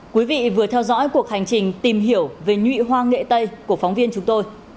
quý vị vừa theo dõi cuộc hành trình tìm hiểu về nhuy hoa nghệ tây của phóng viên chúng tôi